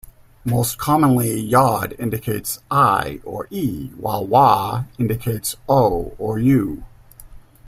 Most commonly, yod indicates "i" or "e", while waw indicates "o" or "u".